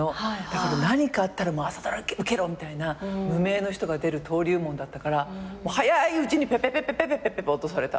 だから何かあったら朝ドラ受けろみたいな無名の人が出る登竜門だったからもう早いうちにペッペッペッペッ落とされた。